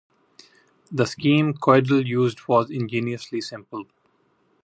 The scheme Koedel used was ingeniously simple.